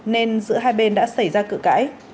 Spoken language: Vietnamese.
nên giữa hai bên đã xảy ra cự cãi